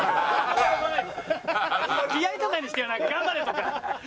「気合」とかにしてよ「頑張れ」とか。いけるよ。